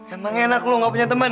emang enak lo gak punya temen